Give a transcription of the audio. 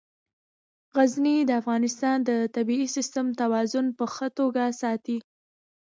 غزني د افغانستان د طبعي سیسټم توازن په ښه توګه ساتي.